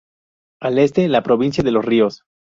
Al Este, la provincia de Los Ríos.